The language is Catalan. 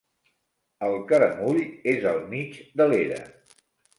El caramull és al mig de l'era.